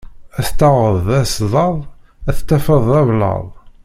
Ad t-taɣeḍ d asḍaḍ, ad t-tafeḍ d ablaḍ.